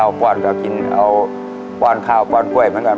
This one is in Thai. เอาป้อนก็กินเอาป้อนข้าวป้อนกล้วยเหมือนกัน